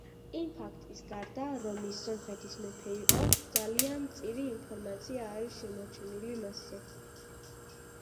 იმ ფაქტის გარდა, რომ ის სომხეთის მეფე იყო, ძალიან მწირი ინფორმაცია არის შემორჩენილი მასზე.